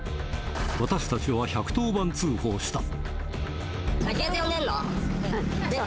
私たちは１１０番通報した。